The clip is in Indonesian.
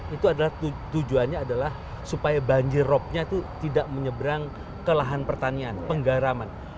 itu adalah tujuannya adalah supaya banjir ropnya itu tidak menyeberang ke lahan pertanian penggaraman